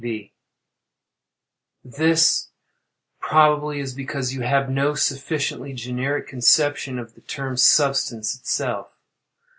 V. This, probably, is because you have no sufficiently generic conception of the term "substance" itself.